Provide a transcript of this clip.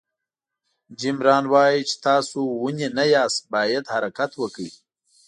جیم ران وایي چې تاسو ونې نه یاست باید حرکت وکړئ.